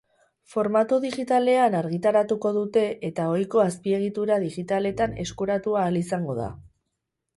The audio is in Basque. Formatu digitalean argitaratuko dute eta ohiko azpiegitura digitaletan eskuratu ahal izango da.